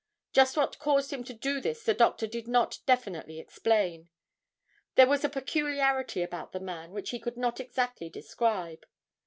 Just what caused him to do this the doctor did not definitely explain. There was a peculiarity about the man which he could not exactly describe.